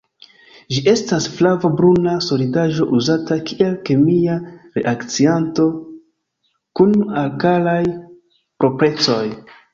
Ĝi estas flavo-bruna solidaĵo uzata kiel kemia reakcianto kun alkalaj proprecoj.